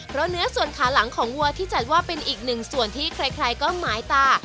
เพราะเนื้อส่วนขาหลังของวัวที่จัดว่าเป็นอีกหนึ่งส่วนที่ใครก็หมายตา